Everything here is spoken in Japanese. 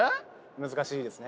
難しいですね。